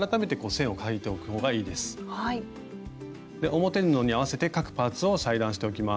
表布に合わせて各パーツを裁断しておきます。